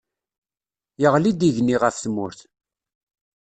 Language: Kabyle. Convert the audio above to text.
Yeɣli-d igenni ɣef tmurt